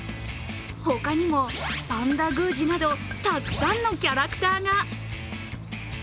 他にもパンダ宮司などたくさんのキャラクターが。